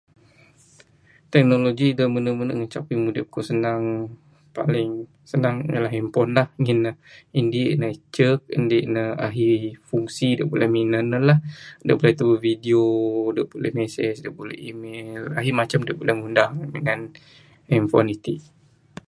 Teknologi da mene mene ngancak udip ku senang paling senang ialah handphone lah ngin indi ne icek. Indi ne ahi fungsi da buleh minan ne lah. Dep buleh tubek video dep buleh message, dep buleh email, ahi macam dep buleh ngundah ne minan handphone iti.